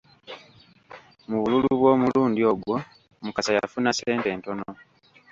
Mu bululu bw'omulundi ogwo Mukasa yafuna ssente ntono.